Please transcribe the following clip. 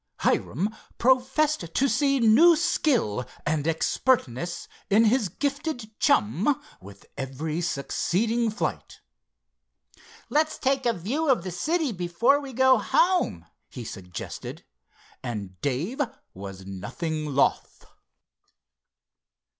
Hiram professed to see new skill and expertness in his gifted chum with every succeeding flight. "Let's take a view of the city before we go home," he suggested, and Dave was nothing loth.